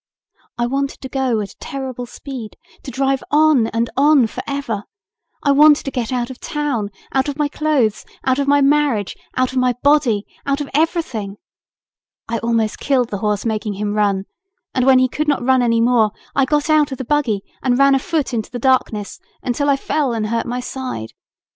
I wanted to go at a terrible speed, to drive on and on forever. I wanted to get out of town, out of my clothes, out of my marriage, out of my body, out of everything. I almost killed the horse, making him run, and when he could not run any more I got out of the buggy and ran afoot into the darkness until I fell and hurt my side.